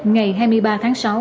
ngày hai mươi ba tháng sáu